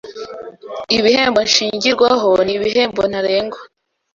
ibihembo nshingirwaho n ibihembo ntarengwa